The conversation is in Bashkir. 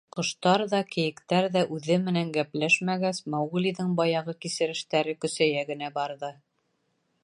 Ҡоштар ҙа, кейектәр ҙә үҙе менән гәпләшмәгәс, Мауглиҙың баяғы кисерештәре көсәйә генә барҙы.